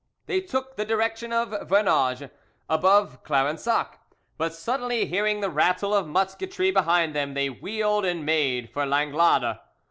They took the direction of Vaunages, above Clarensac; but suddenly hearing the rattle of musketry behind them, they wheeled and made for Langlade.